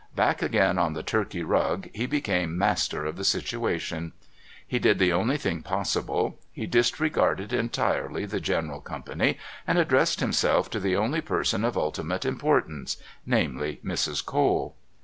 Back again on the Turkey rug he became master of the situation. He did the only thing possible: he disregarded entirely the general company and addressed himself to the only person of ultimate importance namely, Mrs. Cole.